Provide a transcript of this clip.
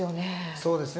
そうですね。